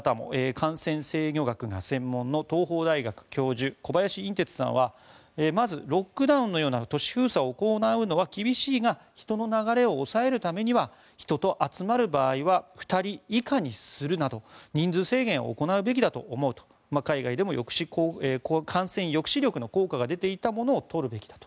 感染制御学が専門の東邦大学教授小林寅てつさんはまず、ロックダウンのような都市封鎖を行うのは厳しいが人の流れを抑えるためには人と集まる場合は２人以下にするなど人数制限をするべきだと思うなど海外でも感染抑止力の効果が出ていたものを取るべきだと。